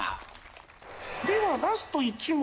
ではラスト１問。